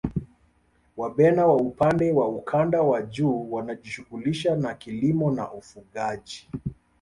Wabena wa upande wa ukanda wa juu wanajishughulisha na kilimo na ufugaji